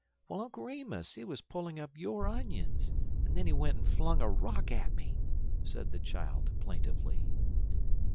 "Well, Uncle Remus, he was pulling up your onions, and then he went and flung a rock at me, said the child, plaintively.